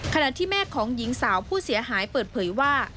ขณะที่แม่ของหญิงสาวผู้เสียหายเปิดเผยว่า